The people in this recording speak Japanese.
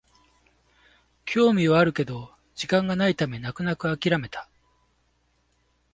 興味はあるけど時間がないため泣く泣くあきらめた